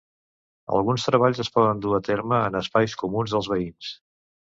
Alguns treballs es poden dur a terme en espais comuns dels veïns.